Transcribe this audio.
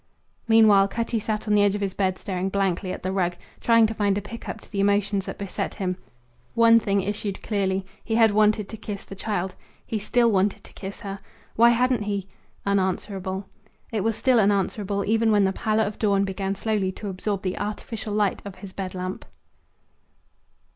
Meanwhile, Cutty sat on the edge of his bed staring blankly at the rug, trying to find a pick up to the emotions that beset him. One thing issued clearly: He had wanted to kiss the child. He still wanted to kiss her. Why hadn't he? Unanswerable. It was still unanswerable even when the pallor of dawn began slowly to absorb the artificial light of his bed lamp.